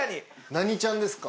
何ちゃんですか？